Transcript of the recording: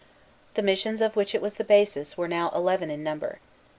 The missions of which it was the basis were now eleven in number.